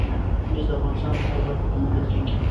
مس د افغانستان په هره برخه کې موندل کېږي.